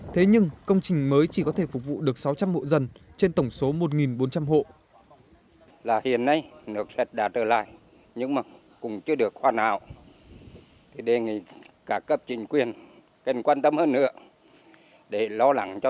thế nhưng công trình mới chỉ có thể phục vụ được sáu trăm linh hộ dân trên tổng số một bốn trăm linh hộ